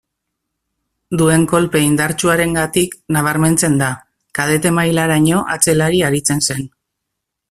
Duen kolpe indartsuarengatik nabarmentzen da; kadete mailaraino, atzelari aritzen zen.